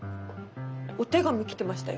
お手紙来てましたよ。